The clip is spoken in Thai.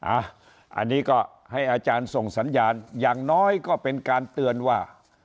อันนี้ก็ให้อาจารย์ส่งสัญญาณอย่างน้อยก็เป็นการเตือนว่า